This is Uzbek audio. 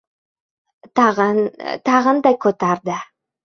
Tag‘in, tag‘in-da ko‘tardi.